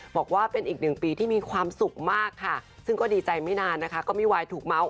บอกว่าเป็นอีกหนึ่งปีที่มีความสุขมากค่ะซึ่งก็ดีใจไม่นานนะคะก็ไม่ไหวถูกเมาส์